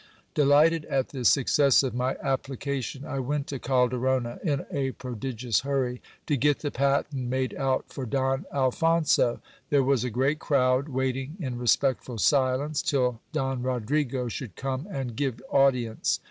Delighted at the success of my application, I went to Calderona in a pro digious hurry, to get the patent made out for Don Alphonso. There was a great crowd, waiting in respectful silence till Don Rodrigo should come and give audience.